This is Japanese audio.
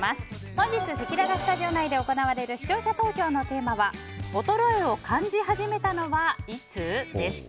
本日せきららスタジオ内で行われる視聴者投票のテーマは衰えを感じ始めたのはいつ？です。